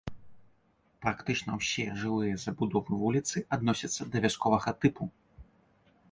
Практычна ўсе жылыя забудовы вуліцы адносяцца да вясковага тыпу.